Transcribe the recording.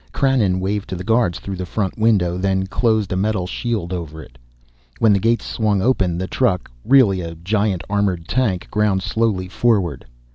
Krannon waved to the guards through the front window, then closed a metal shield over it. When the gates swung open the truck really a giant armored tank ground slowly forward.